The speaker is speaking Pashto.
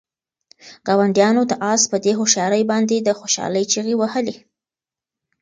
ګاونډیانو د آس په دې هوښیارۍ باندې د خوشحالۍ چیغې وهلې.